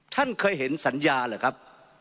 ท่านเคยเห็นสัญญาเหรอครับ